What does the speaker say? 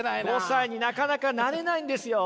５歳になかなかなれないんですよ。